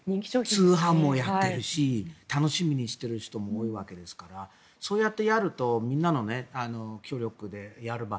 通販もやってるし楽しみにしている人も多いわけですからそうやってやるとみんなの協力でやれば。